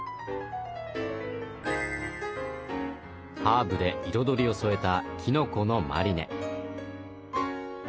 ハーブで彩りを添えたきのこのマリネ。